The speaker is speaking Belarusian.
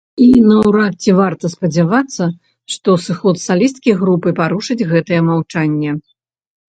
І наўрад ці варта спадзявацца, што сыход салісткі групы парушыць гэтае маўчанне.